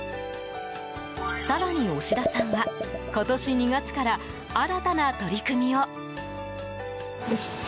更に、押田さんは今年２月から新たな取り組みを。